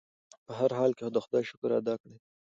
په هر حال کې د خدای شکر ادا کړئ.